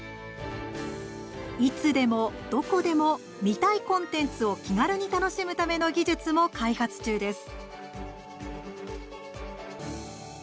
いつでも、どこでも見たいコンテンツを気軽に楽しむための技術も開発中です。